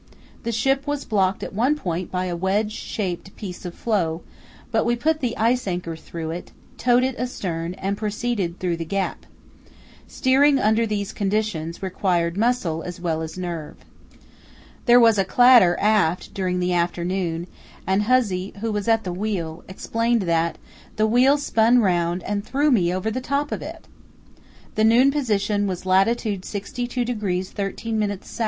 The ship was blocked at one point by a wedge shaped piece of floe, but we put the ice anchor through it, towed it astern, and proceeded through the gap. Steering under these conditions required muscle as well as nerve. There was a clatter aft during the afternoon, and Hussey, who was at the wheel, explained that "The wheel spun round and threw me over the top of it!" The noon position was lat. 62° 13´ S.